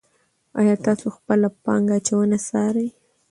آیا تاسو خپله پانګه اچونه څارئ.